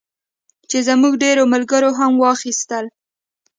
چې زموږ ډېرو ملګرو هم واخیستل.